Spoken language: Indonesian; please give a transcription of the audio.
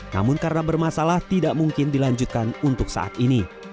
namun karena bermasalah tidak mungkin dilanjutkan untuk saat ini